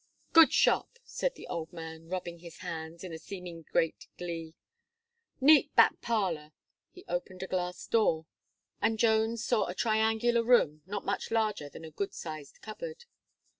"Good shop," said the old man, rubbing his hands, in seeming great glee; "neat back parlour;" he opened a glass door, and Jones saw a triangular room, not much larger than a good sized cupboard.